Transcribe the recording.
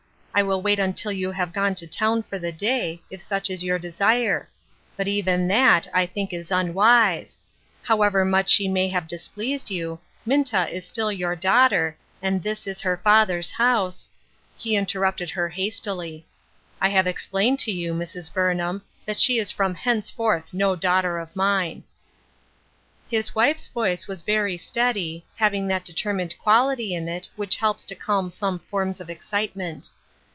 I will wait until you have gone to town for the day, if such is your desire ; but even that I think is unwise ; however much she may have displeased you, Minta is still your daughter, and this is her father's house "— He interrupted her hastily. " I have explained to you, Mrs. Burnham, that she is from henceforth no daughter of mine." His wife's voice was very steady, having that determined quality in it which helps to calm some forms of excitement.